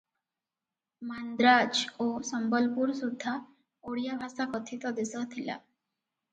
ମାନ୍ଦ୍ରାଜ ଓ ସମ୍ବଲପୁର ସୁଦ୍ଧା ଓଡ଼ିଆ ଭାଷା କଥିତ ଦେଶ ଥିଲା ।